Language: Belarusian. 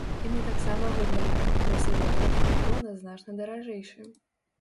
І мы таксама губляем, бо сабекошт жэтона значна даражэйшы.